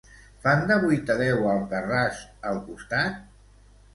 Fan de vuit a deu "Alcarràs" al costat?